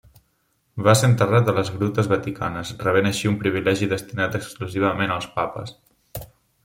Va ser enterrat a les Grutes vaticanes, rebent així un privilegi destinat exclusivament als Papes.